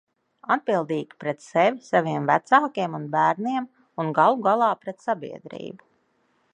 Atbildīgi pret sevi, saviem vecākiem un bērniem, un galu galā pret sabiedrību.